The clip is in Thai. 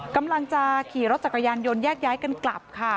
กำลังจะขี่รถจักรยานยนต์แยกย้ายกันกลับค่ะ